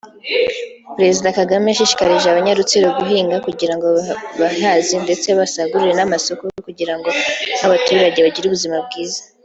Perezida Kagame yashishikarije abanyarutsiro guhinga kugirango bihaze ndetse basagurire n’amasoko kugirango nk’abaturage bagire ubuzima bwiza